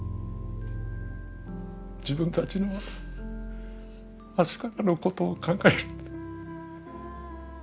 自分たちの明日からのことを考えると。